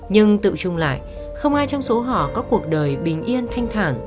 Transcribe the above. nhưng tự trung lại không ai trong số họ có cuộc đời bình yên thanh thản